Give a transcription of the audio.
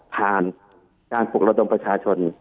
ผ่านการปกป้องประชาชน